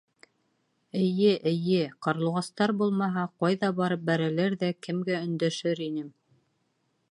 — Эйе, эйе, ҡарлуғастар булмаһа, ҡайҙа барып бәрелер ҙә, кемгә өндәшер инем...